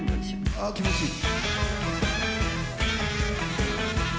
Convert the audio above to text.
ああ気持ちいい。